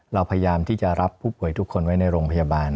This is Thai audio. เราพยายามที่จะรับผู้ป่วยทุกคนไว้ในโรงพยาบาล